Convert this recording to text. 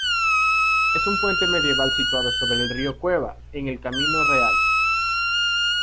Es un puente medieval situado sobre el río Cueva, en el camino Real.